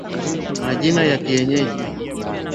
Majina ya kienyeji